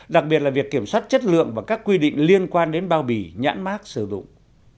đặc biệt là việc kiểm soát chất lượng và các quy định liên quan đến bao bì nhãn mát sử dụng